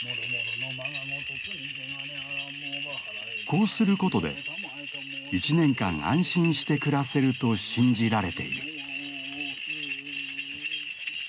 こうすることで１年間安心して暮らせると信じられている。